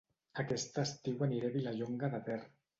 Aquest estiu aniré a Vilallonga de Ter